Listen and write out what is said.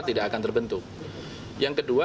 tidak akan terbentuk yang kedua